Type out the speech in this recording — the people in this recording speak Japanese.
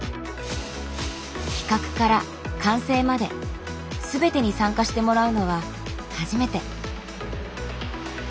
企画から完成まで全てに参加してもらうのは初めて。